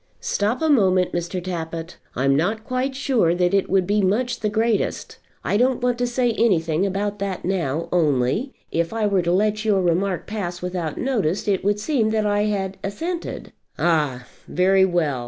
"Stop a moment, Mr. Tappitt; I'm not quite sure that it would be much the greatest. I don't want to say anything about that now; only if I were to let your remark pass without notice it would seem that I had assented." "Ah; very well.